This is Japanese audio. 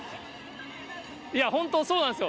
いや、本当、そうなんですよ。